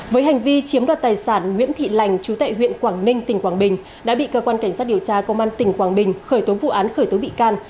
với hành vi chiếm đoạt tài sản nguyễn thị lành chú tệ huyện quảng ninh tỉnh quảng bình đã bị cơ quan cảnh sát điều tra công an tỉnh quảng bình khởi tố vụ án khởi tố bị can